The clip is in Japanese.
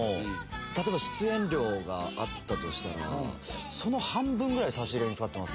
「例えば出演料があったとしたらその半分ぐらい差し入れに使ってます」